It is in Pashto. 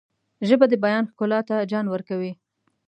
ژبه د بیان ښکلا ته جان ورکوي